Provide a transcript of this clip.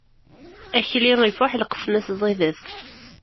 Akli ifuḥ, lqesma-s ẓidet.